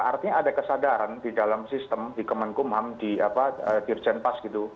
artinya ada kesadaran di dalam sistem di kemenkumham di dirjen pas gitu